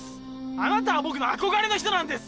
あなたは僕のあこがれの人なんです！